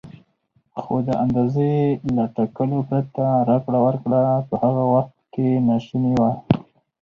خو د اندازې له ټاکلو پرته راکړه ورکړه په هغه وخت کې ناشونې وه.